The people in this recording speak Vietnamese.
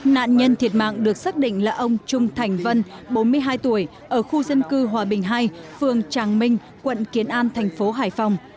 nạn nhân thiệt mạng được xác định là ông trung thành vân bốn mươi hai tuổi ở khu dân cư hòa bình hai phường tràng minh quận kiến an thành phố hải phòng